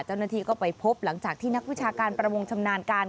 เจ้าหน้าที่ก็ไปพบหลังจากที่นักวิชาการประมงชำนาญการ